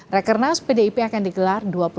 rekernas yang diundang adalah jokowi dan jokowi